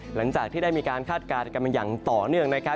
หลังจากที่ได้มีการคาดการณ์กันมาอย่างต่อเนื่องนะครับ